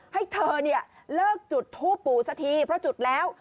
ให้เธอเนี่ยเลิกจุดทูปปู่สักทีเพราะจุดแล้ว